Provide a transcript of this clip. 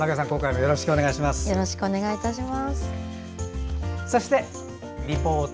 よろしくお願いします。